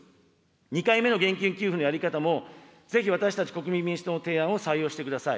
２回目の現金給付のやり方も、ぜひ私たち国民民主党の提案を採用してください。